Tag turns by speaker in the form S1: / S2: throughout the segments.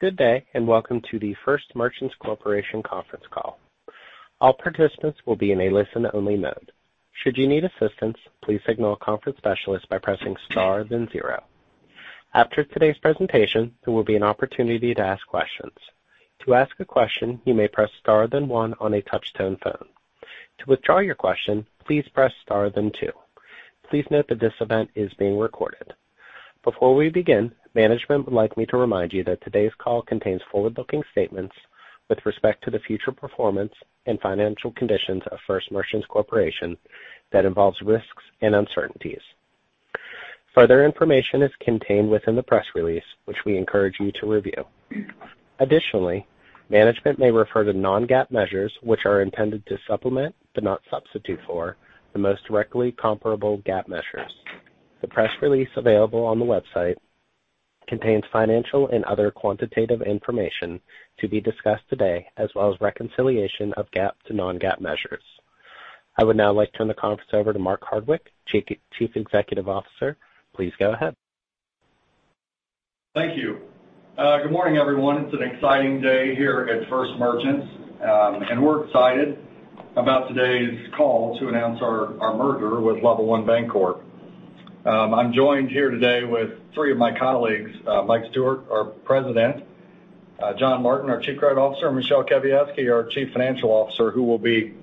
S1: Good day, and welcome to the First Merchants Corporation conference call. All participants will be in a listen-only mode. Should you need assistance, please signal a conference specialist by pressing star then zero. After today's presentation, there will be an opportunity to ask questions. To ask a question, you may press star then one on a touch-tone phone. To withdraw your question, please press star then two. Please note that this event is being recorded. Before we begin, management would like me to remind you that today's call contains forward-looking statements with respect to the future performance and financial conditions of First Merchants Corporation that involves risks and uncertainties. Further information is contained within the press release, which we encourage you to review. Additionally, management may refer to non-GAAP measures, which are intended to supplement, but not substitute for, the most directly comparable GAAP measures. The press release available on the website contains financial and other quantitative information to be discussed today, as well as reconciliation of GAAP to non-GAAP measures. I would now like to turn the conference over to Mark Hardwick, Chief Executive Officer. Please go ahead.
S2: Thank you. Good morning, everyone. It's an exciting day here at First Merchants, and we're excited about today's call to announce our merger with Level One Bancorp. I'm joined here today with three of my colleagues, Mike Stewart, our President, John Martin, our Chief Credit Officer, and Michele Kawiecki, our Chief Financial Officer, who will be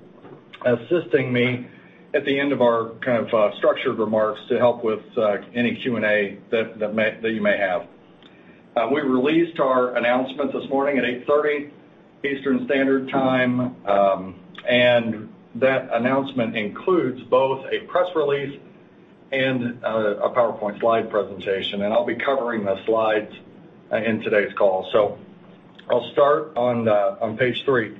S2: assisting me at the end of our kind of structured remarks to help with any Q&A that you may have. We released our announcement this morning at 8:30 A.M. Eastern Standard Time, and that announcement includes both a press release and a PowerPoint slide presentation. I'll be covering the slides in today's call. I'll start on page 3.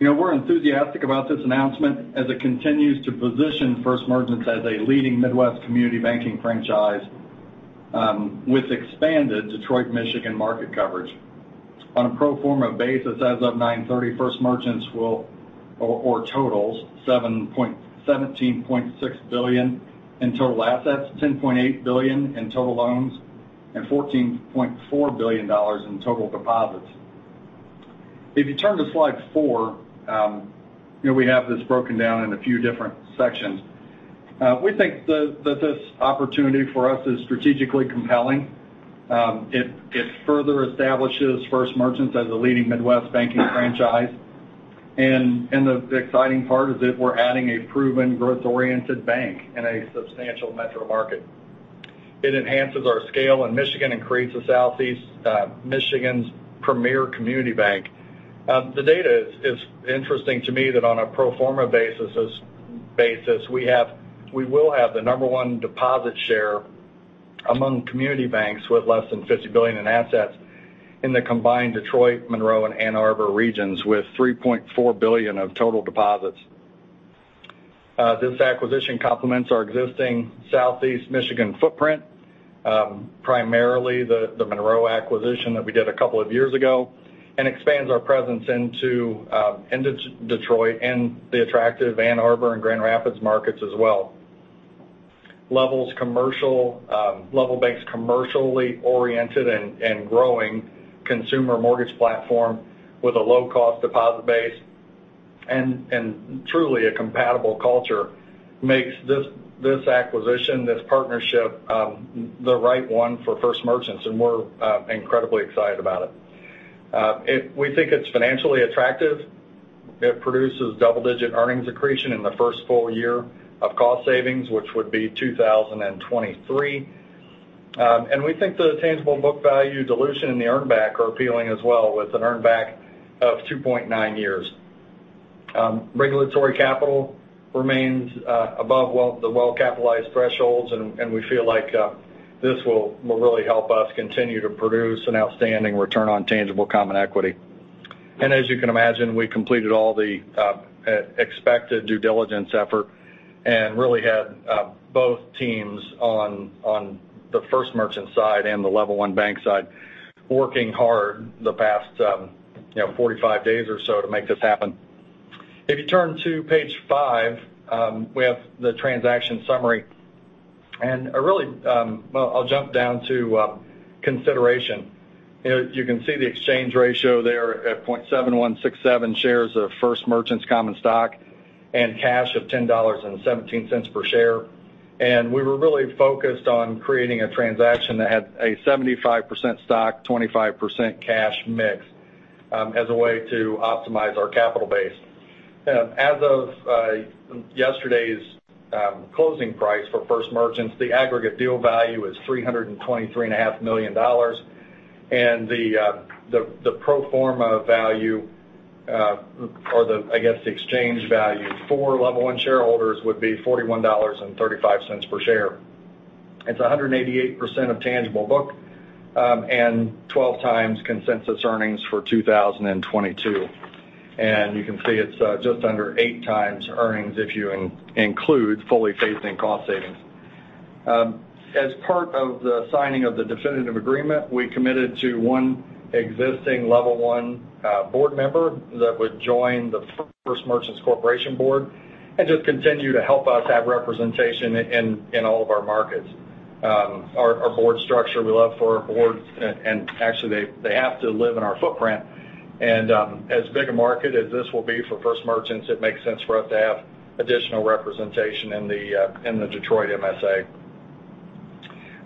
S2: You know, we're enthusiastic about this announcement as it continues to position First Merchants as a leading Midwest community banking franchise, with expanded Detroit, Michigan, market coverage. On a pro forma basis as of 9:30 A.M., First Merchants totals $17.6 billion in total assets, $10.8 billion in total loans, and $14.4 billion in total deposits. If you turn to slide four, you know, we have this broken down in a few different sections. We think that this opportunity for us is strategically compelling. It further establishes First Merchants as a leading Midwest banking franchise. The exciting part is that we're adding a proven growth-oriented bank in a substantial metro market. It enhances our scale in Michigan and creates the Southeast Michigan's premier community bank. The data is interesting to me that on a pro forma basis, we will have the number one deposit share among community banks with less than $50 billion in assets in the combined Detroit, Monroe, and Ann Arbor regions, with $3.4 billion of total deposits. This acquisition complements our existing Southeast Michigan footprint, primarily the Monroe acquisition that we did a couple of years ago, and expands our presence into Detroit and the attractive Ann Arbor and Grand Rapids markets as well. Level One Bank's commercially oriented and growing consumer mortgage platform with a low-cost deposit base and truly a compatible culture makes this acquisition, this partnership the right one for First Merchants, and we're incredibly excited about it. We think it's financially attractive. It produces double-digit earnings accretion in the first full year of cost savings, which would be 2023. We think the tangible book value dilution in the earn back are appealing as well, with an earn back of 2.9 years. Regulatory capital remains above the well-capitalized thresholds, and we feel like this will really help us continue to produce an outstanding return on tangible common equity. As you can imagine, we completed all the expected due diligence effort and really had both teams on the First Merchants side and the Level One Bank side working hard the past, you know, 45 days or so to make this happen. If you turn to page 5, we have the transaction summary. I really jump down to consideration. You know, you can see the exchange ratio there at 0.7167 shares of First Merchants common stock and cash of $10.17 per share. We were really focused on creating a transaction that had a 75% stock, 25% cash mix, as a way to optimize our capital base. As of yesterday's closing price for First Merchants, the aggregate deal value is $323.5 million. The pro forma value, or the, I guess, the exchange value for Level One shareholders would be $41.35 per share. It's 188% of tangible book and 12x consensus earnings for 2022. You can see it's just under 8x earnings if you include fully phasing cost savings. As part of the signing of the definitive agreement, we committed to one existing Level One board member that would join the First Merchants Corporation board and just continue to help us have representation in all of our markets. Our board structure, we look for a board, and actually, they have to live in our footprint. As big a market as this will be for First Merchants, it makes sense for us to have additional representation in the Detroit MSA.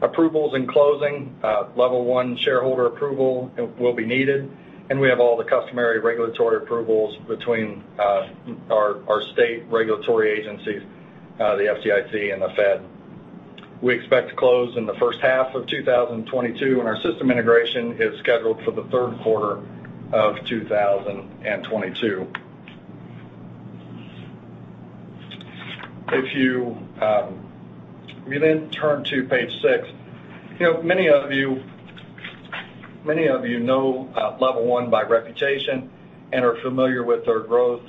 S2: Approvals and closing. Level One shareholder approval will be needed, and we have all the customary regulatory approvals between our state regulatory agencies, the FDIC and the Fed. We expect to close in the first half of 2022, and our system integration is scheduled for the third quarter of 2022. If you then turn to page six. You know, many of you know Level One by reputation and are familiar with their growth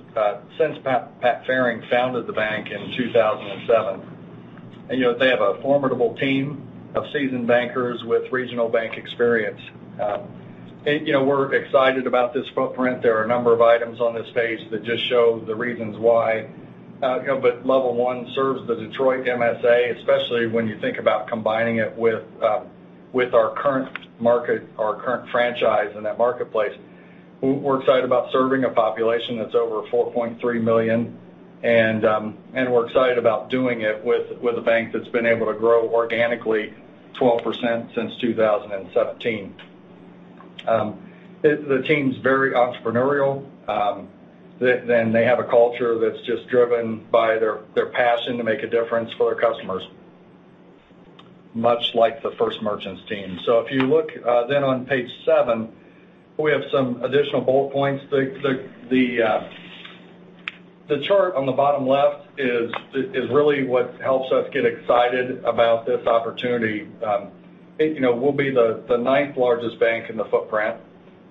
S2: since Pat Fehring founded the bank in 2007. You know, they have a formidable team of seasoned bankers with regional bank experience. You know, we're excited about this footprint. There are a number of items on this page that just show the reasons why. You know, Level One serves the Detroit MSA, especially when you think about combining it with our current market, our current franchise in that marketplace. We're excited about serving a population that's over 4.3 million, and we're excited about doing it with a bank that's been able to grow organically 12% since 2017. The team's very entrepreneurial, then they have a culture that's just driven by their passion to make a difference for their customers, much like the First Merchants team. If you look, then on page seven, we have some additional bullet points. The chart on the bottom left is really what helps us get excited about this opportunity. You know, we'll be the ninth-largest bank in the footprint,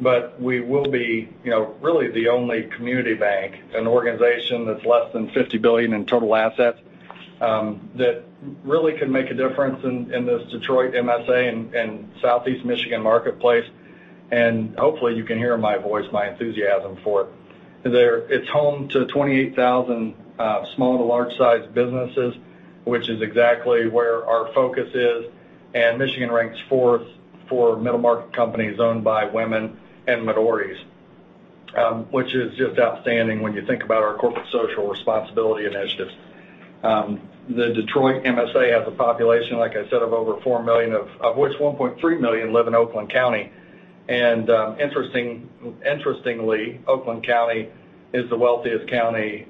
S2: but we will be, you know, really the only community bank, an organization that's less than $50 billion in total assets, that really can make a difference in this Detroit MSA and Southeast Michigan marketplace. Hopefully, you can hear in my voice, my enthusiasm for it. It's home to 28,000 small to large-sized businesses, which is exactly where our focus is, and Michigan ranks fourth for middle market companies owned by women and minorities, which is just outstanding when you think about our corporate social responsibility initiatives. The Detroit MSA has a population, like I said, of over 4 million, of which 1.3 million live in Oakland County. Interestingly, Oakland County is the wealthiest county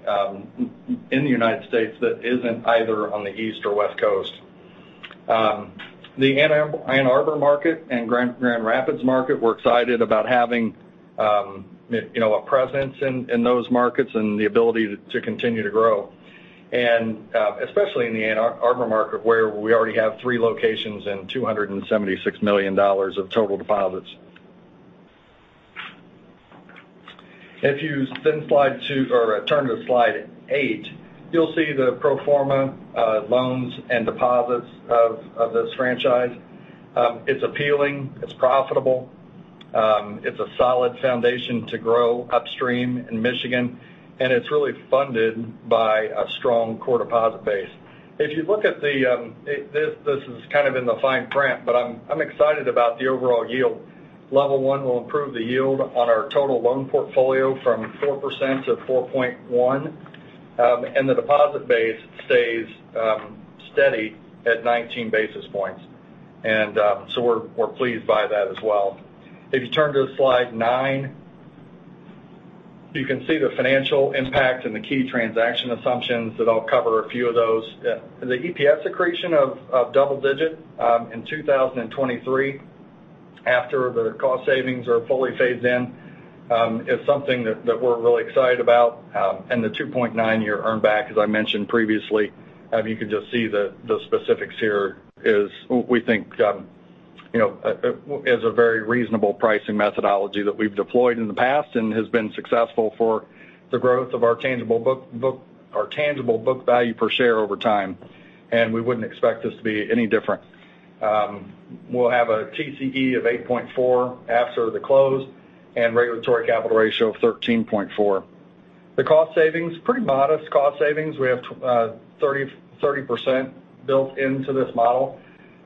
S2: in the United States that isn't either on the East or West Coast. The Ann Arbor market and Grand Rapids market, we're excited about having you know, a presence in those markets and the ability to continue to grow. Especially in the Ann Arbor market, where we already have three locations and $276 million of total deposits. If you then slide to, or turn to slide eight, you'll see the pro forma loans and deposits of this franchise. It's appealing, it's profitable. It's a solid foundation to grow upstream in Michigan, and it's really funded by a strong core deposit base. If you look at this is kind of in the fine print, but I'm excited about the overall yield. Level One will improve the yield on our total loan portfolio from 4%-4.1%, and the deposit base stays steady at 19 basis points. We're pleased by that as well. If you turn to slide 9, you can see the financial impact and the key transaction assumptions, and I'll cover a few of those. EPS accretion of double digit in 2023 after the cost savings are fully phased in is something that we're really excited about. The 2.9-year earn back, as I mentioned previously, you can just see the specifics here, is, we think, you know, a very reasonable pricing methodology that we've deployed in the past and has been successful for the growth of our tangible book value per share over time, and we wouldn't expect this to be any different. We'll have a TCE of 8.4 after the close and regulatory capital ratio of 13.4. The cost savings, pretty modest cost savings. We have 30% built into this model.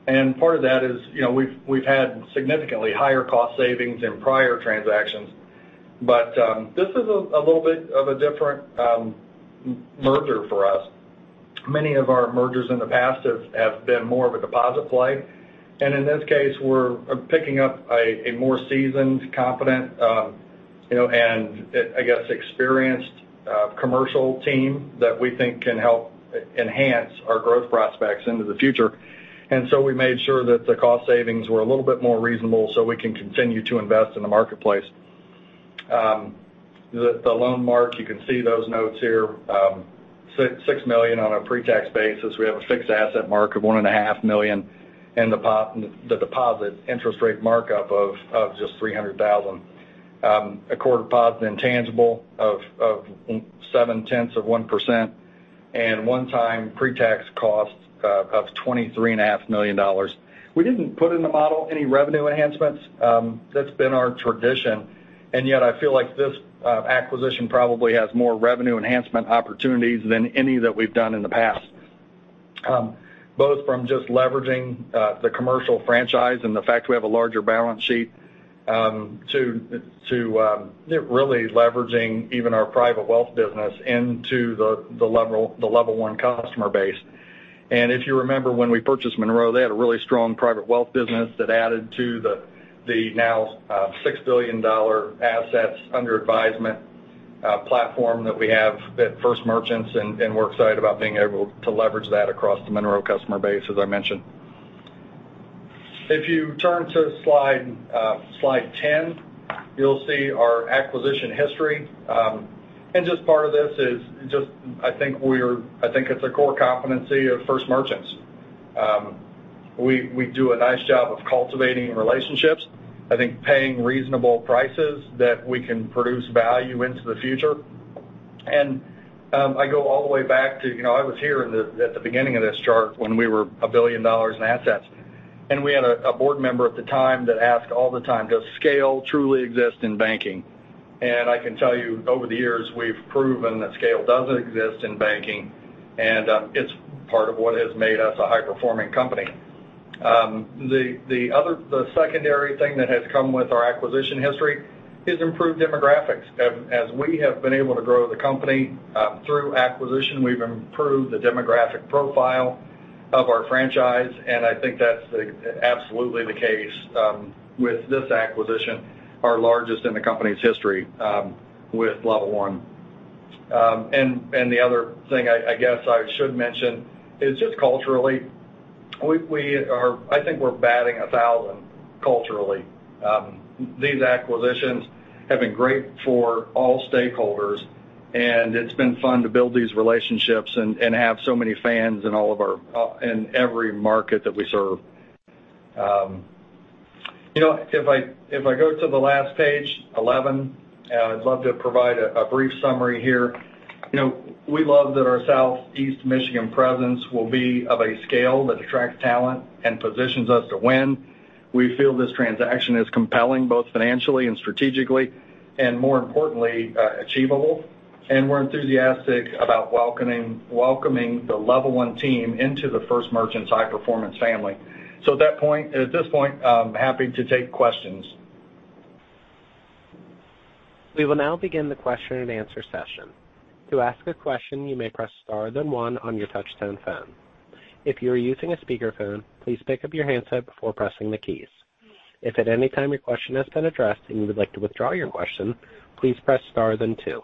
S2: Part of that is, you know, we've had significantly higher cost savings in prior transactions. This is a little bit of a different merger for us. Many of our mergers in the past have been more of a deposit play. In this case, we're picking up a more seasoned, competent, you know, and, I guess, experienced commercial team that we think can help enhance our growth prospects into the future. We made sure that the cost savings were a little bit more reasonable so we can continue to invest in the marketplace. The loan mark, you can see those notes here. $6 million on a pre-tax basis. We have a fixed asset mark of $1.5 million, and the deposit interest rate markup of just $300,000. A core deposit intangible of 0.7%. One-time pre-tax costs of $23.5 million. We didn't put in the model any revenue enhancements, that's been our tradition. Yet I feel like this acquisition probably has more revenue enhancement opportunities than any that we've done in the past. Both from just leveraging the commercial franchise and the fact we have a larger balance sheet to really leveraging even our private wealth business into the Level One customer base. If you remember when we purchased Monroe, they had a really strong private wealth business that added to the now $6 billion assets under advisement platform that we have at First Merchants, and we're excited about being able to leverage that across the Monroe customer base, as I mentioned. If you turn to slide 10, you'll see our acquisition history. Part of this is I think it's a core competency of First Merchants. We do a nice job of cultivating relationships. I think paying reasonable prices that we can produce value into the future. I go all the way back to, you know, I was here at the beginning of this chart when we were $1 billion in assets. We had a board member at the time that asked all the time, "Does scale truly exist in banking?" I can tell you, over the years, we've proven that scale does exist in banking, and it's part of what has made us a high-performing company. The secondary thing that has come with our acquisition history is improved demographics. As we have been able to grow the company through acquisition, we've improved the demographic profile of our franchise, and I think that's absolutely the case with this acquisition, our largest in the company's history, with Level One. The other thing I guess I should mention is just culturally, I think we're batting a thousand culturally. These acquisitions have been great for all stakeholders, and it's been fun to build these relationships and have so many fans in every market that we serve. You know, if I go to the last page, 11, I'd love to provide a brief summary here. You know, we love that our Southeast Michigan presence will be of a scale that attracts talent and positions us to win. We feel this transaction is compelling, both financially and strategically, and more importantly, achievable. We're enthusiastic about welcoming the Level One team into the First Merchants high-performance family. At this point, I'm happy to take questions.
S1: We will now begin the question-and-answer session. To ask a question, you may press star then one on your touch-tone phone. If you are using a speakerphone, please pick up your handset before pressing the keys. If at any time your question has been addressed and you would like to withdraw your question, please press star then two.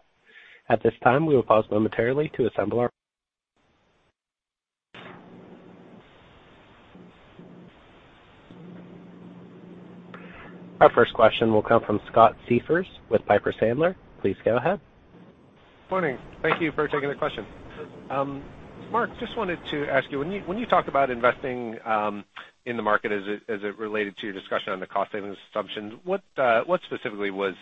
S1: At this time, we will pause momentarily. Our first question will come from Scott Siefers with Piper Sandler. Please go ahead.
S3: Morning. Thank you for taking the question. Mark, just wanted to ask you, when you talk about investing in the market, as it related to your discussion on the cost savings assumptions, what specifically was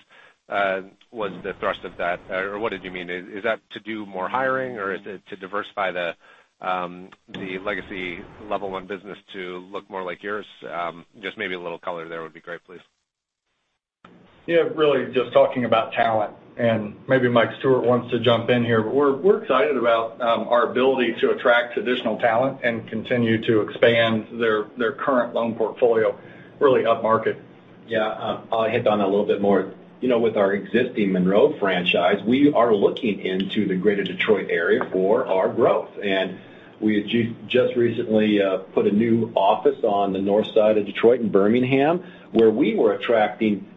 S3: the thrust of that? Or what did you mean? Is that to do more hiring or is it to diversify the legacy Level One business to look more like yours? Just maybe a little color there would be great, please.
S2: Yeah, really just talking about talent, and maybe Mike Stewart wants to jump in here. We're excited about our ability to attract traditional talent and continue to expand their current loan portfolio really upmarket.
S4: Yeah, I'll hit on a little bit more. You know, with our existing Monroe franchise, we are looking into the greater Detroit area for our growth. We just recently put a new office on the north side of Detroit and Birmingham, where we were attracting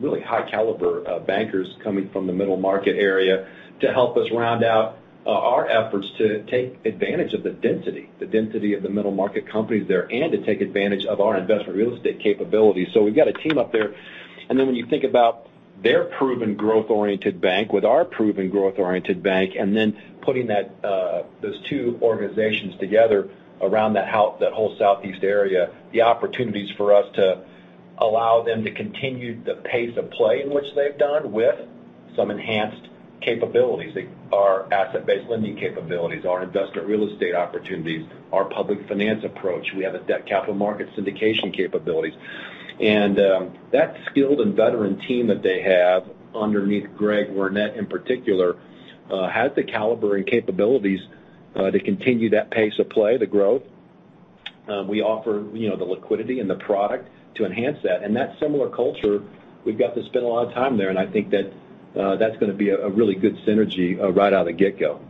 S4: really high caliber bankers coming from the middle market area to help us round out our efforts to take advantage of the density of the middle market companies there, and to take advantage of our investment real estate capabilities. So we've got a team up there. When you think about their proven growth-oriented bank with our proven growth-oriented bank, and then putting that, those two organizations together around that whole southeast area, the opportunities for us to allow them to continue the pace of play in which they've done with some enhanced capabilities, like our asset-based lending capabilities, our investment real estate opportunities, our public finance approach. We have a debt capital markets syndication capabilities. That skilled and veteran team that they have underneath Greg Wernette, in particular, has the caliber and capabilities to continue that pace of play, the growth. We offer, you know, the liquidity and the product to enhance that. That similar culture, we've got to spend a lot of time there, and I think that that's gonna be a really good synergy, right out of the get-go.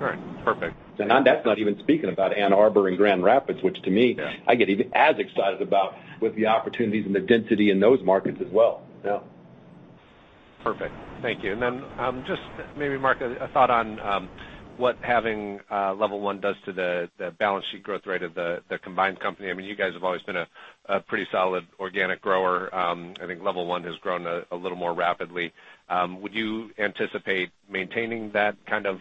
S3: All right. Perfect.
S4: That's not even speaking about Ann Arbor and Grand Rapids, which to me
S3: Yeah.
S4: I get even as excited about the opportunities and the density in those markets as well.
S2: Yeah.
S3: Perfect. Thank you. Then, just maybe Mark, a thought on what having Level One does to the balance sheet growth rate of the combined company. I mean, you guys have always been a pretty solid organic grower. I think Level One has grown a little more rapidly. Would you anticipate maintaining that kind of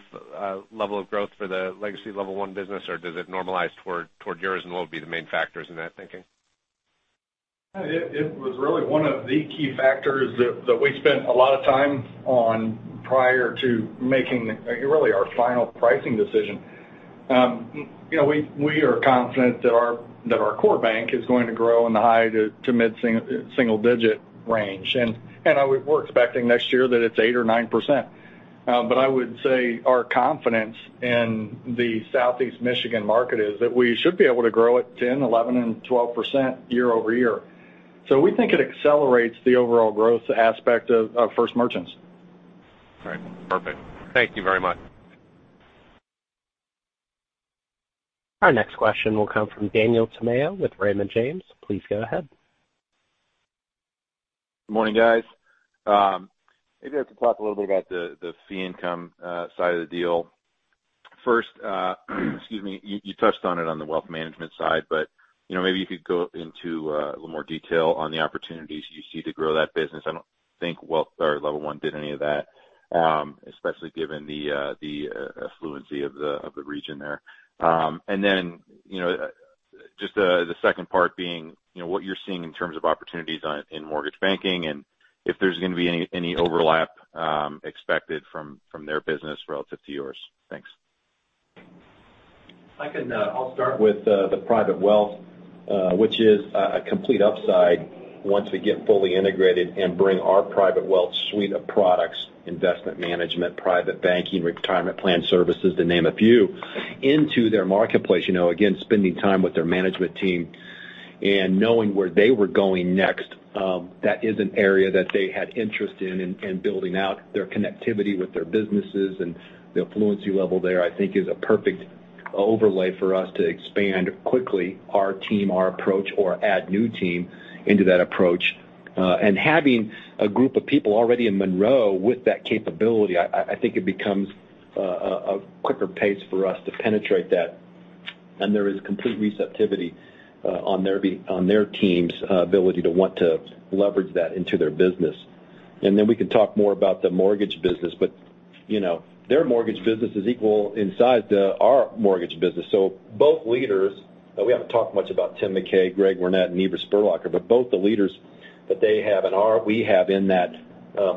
S3: level of growth for the legacy Level One business, or does it normalize toward yours and what would be the main factors in that thinking?
S2: It was really one of the key factors that we spent a lot of time on prior to making really our final pricing decision. You know, we are confident that our core bank is going to grow in the high- to mid-single-digit range. We're expecting next year that it's 8% or 9%. I would say our confidence in the Southeast Michigan market is that we should be able to grow at 10%, 11%, and 12% year-over-year. We think it accelerates the overall growth aspect of First Merchants.
S3: Right. Perfect. Thank you very much.
S1: Our next question will come from Daniel Tamayo with Raymond James. Please go ahead.
S5: Good morning, guys. Maybe I have to talk a little bit about the fee income side of the deal. First, excuse me, you touched on it on the wealth management side, but you know, maybe you could go into a little more detail on the opportunities you see to grow that business. I don't think Level One did any of that, especially given the affluence of the region there. And then, you know, just the second part being, you know, what you're seeing in terms of opportunities in mortgage banking, and if there's gonna be any overlap expected from their business relative to yours. Thanks.
S4: If I can, I'll start with the private wealth, which is a complete upside once we get fully integrated and bring our private wealth suite of products, investment management, private banking, retirement plan services, to name a few, into their marketplace. You know, again, spending time with their management team and knowing where they were going next, that is an area that they had interest in building out their connectivity with their businesses. The fluency level there, I think is a perfect overlay for us to expand quickly our team, our approach, or add new team into that approach. Having a group of people already in Monroe with that capability, I think it becomes a quicker pace for us to penetrate that. There is complete receptivity on their team's ability to want to leverage that into their business. Then we can talk more about the mortgage business, but, you know, their mortgage business is equal in size to our mortgage business. Both leaders. We haven't talked much about Tim Mackay, Greg Wernette, and Eva Scurlock, but both the leaders that they have and we have in that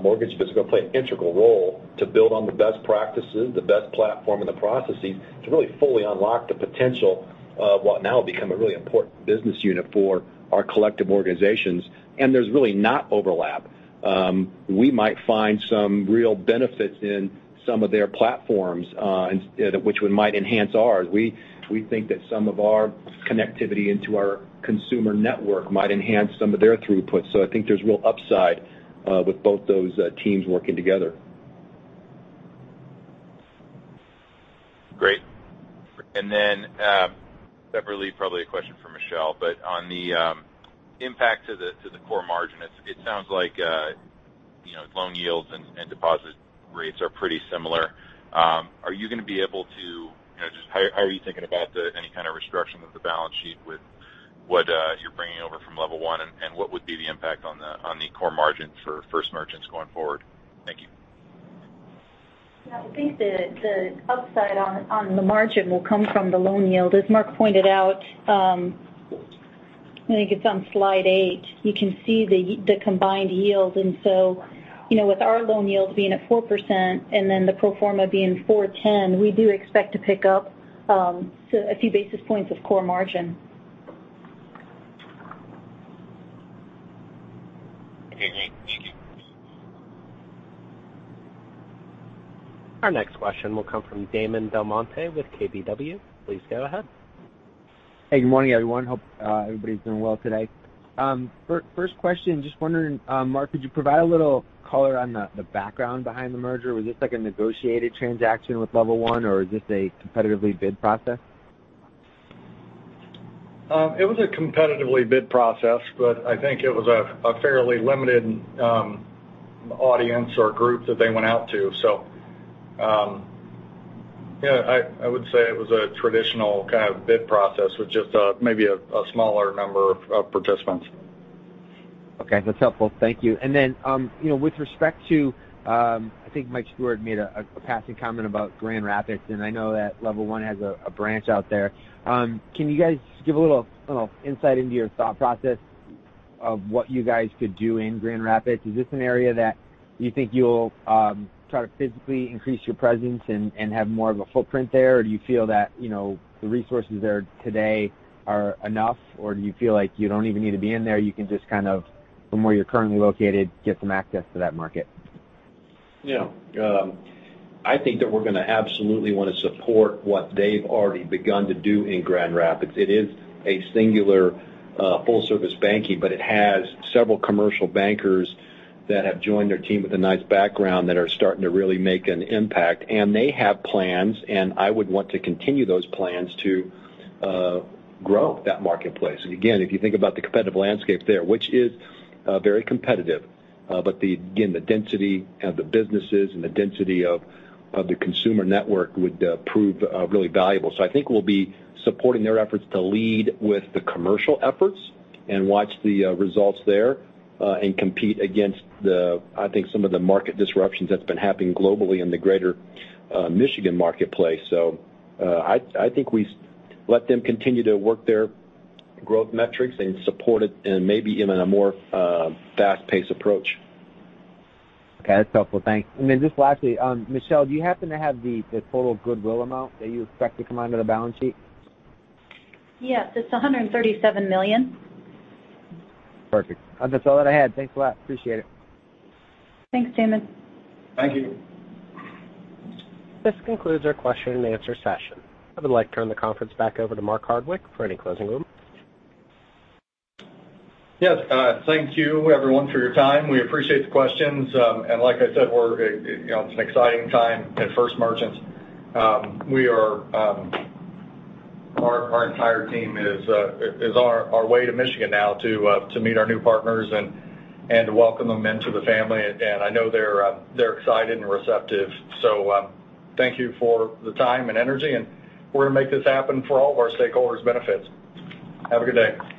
S4: mortgage business will play an integral role to build on the best practices, the best platform, and the processes to really fully unlock the potential of what now become a really important business unit for our collective organizations. There's really no overlap. We might find some real benefits in some of their platforms, which we might enhance ours. We think that some of our connectivity into our consumer network might enhance some of their throughput. I think there's real upside with both those teams working together.
S5: Great. Separately, probably a question for Michele, but on the impact to the core margin, it sounds like you know, loan yields and deposit rates are pretty similar. Are you gonna be able to you know, just how are you thinking about any kind of restriction of the balance sheet with what you're bringing over from Level One, and what would be the impact on the core margin for First Merchants going forward? Thank you.
S6: Yeah. I think the upside on the margin will come from the loan yield. As Mark pointed out, I think it's on slide 8, you can see the combined yield. You know, with our loan yields being at 4% and then the pro forma being 4.10%, we do expect to pick up so a few basis points of core margin.
S1: Our next question will come from Damon DelMonte with KBW. Please go ahead.
S7: Hey, good morning, everyone. I hope everybody's doing well today. First question, just wondering, Mark, could you provide a little color on the background behind the merger? Was this like a negotiated transaction with Level One, or is this a competitively bid process?
S2: It was a competitively bid process, but I think it was a fairly limited audience or group that they went out to. Yeah, I would say it was a traditional kind of bid process with just maybe a smaller number of participants.
S7: Okay. That's helpful. Thank you. You know, with respect to, I think Mike Stewart made a passing comment about Grand Rapids, and I know that Level One has a branch out there. Can you guys give a little insight into your thought process of what you guys could do in Grand Rapids? Is this an area that you think you'll try to physically increase your presence and have more of a footprint there? Or do you feel that, you know, the resources there today are enough, or do you feel like you don't even need to be in there, you can just kind of from where you're currently located, get some access to that market?
S4: Yeah. I think that we're gonna absolutely wanna support what they've already begun to do in Grand Rapids. It is a singular, full service banking, but it has several commercial bankers that have joined their team with a nice background that are starting to really make an impact. They have plans, and I would want to continue those plans to grow that marketplace. Again, if you think about the competitive landscape there, which is, very competitive. But the, again, the density of the businesses and the density of the consumer network would prove really valuable. I think we'll be supporting their efforts to lead with the commercial efforts and watch the results there, and compete against the, I think, some of the market disruptions that's been happening globally in the greater Michigan marketplace. I think we let them continue to work their growth metrics and support it and maybe in a more fast-paced approach.
S7: Okay. That's helpful. Thanks. Just lastly, Michele, do you happen to have the total goodwill amount that you expect to come under the balance sheet?
S6: Yes. It's $137 million.
S7: Perfect. That's all that I had. Thanks a lot. Appreciate it.
S6: Thanks, Damon.
S2: Thank you.
S1: This concludes our question and answer session. I would like to turn the conference back over to Mark Hardwick for any closing remarks.
S2: Yes. Thank you everyone for your time. We appreciate the questions. Like I said, we're, you know, it's an exciting time at First Merchants. We are. Our entire team is on our way to Michigan now to meet our new partners and welcome them into the family. I know they're excited and receptive. Thank you for the time and energy, and we're gonna make this happen for all of our stakeholders' benefits. Have a good day.